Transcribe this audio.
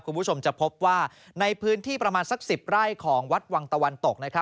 คุณผู้ชมจะพบว่าในพื้นที่ประมาณสัก๑๐ไร่ของวัดวังตะวันตก